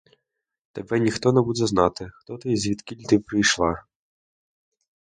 Тебе ніхто не буде знати, хто ти й звідкіль ти прийшла.